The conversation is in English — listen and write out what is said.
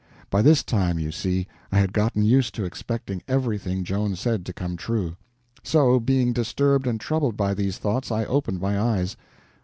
By this time, you see, I had gotten used to expecting everything Joan said to come true. So, being disturbed and troubled by these thoughts, I opened my eyes.